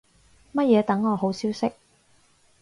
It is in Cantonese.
乜嘢等我好消息